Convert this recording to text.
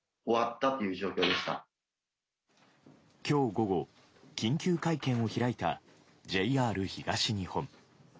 今日午後、緊急会見を開いたＪＲ東日本。